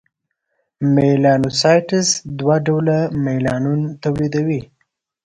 میلانوسایټس دوه ډوله میلانون تولیدوي: